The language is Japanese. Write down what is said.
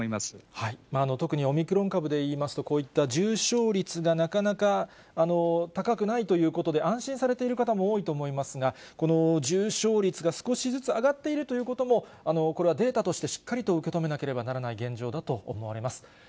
特に、オミクロン株でいいますと、こういった重症率がなかなか高くないということで、安心されている方も多いと思いますが、この重症率が少しずつ上がっているということも、これはデータとして、しっかりと受け止めなければならない現状だと思われます。